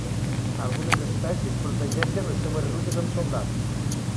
Algunes espècies protegeixen les seves rutes amb soldats.